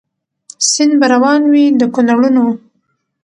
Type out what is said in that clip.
سیند به روان وي د کونړونو